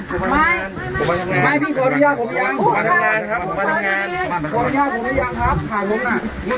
ผมมาทำภัยเงียบนะครับคอน